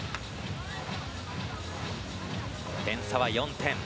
点差は４点。